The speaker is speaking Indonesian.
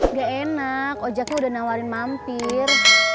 nggak enak ojeknya udah nawarin mampir